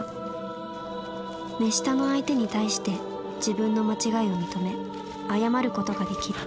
目下の相手に対して自分の間違いを認め謝ることができる。